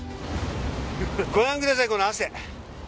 ご覧ください、この汗。